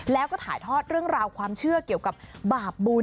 แล้วก็ถ่ายทอดเรื่องราวความเชื่อเกี่ยวกับบาปบุญ